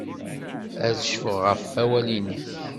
Ad cfuɣ ɣef wawal-nnek.